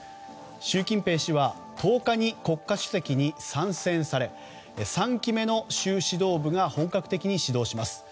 習近平氏は１０日に国家主席に３選され、３期目の習指導部が本格的に始動します。